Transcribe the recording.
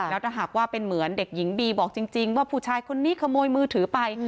แล้วถ้าหากว่าเป็นเหมือนเด็กหญิงบีบอกจริงว่าผู้ชายคนนี้ขโมยมือถือไป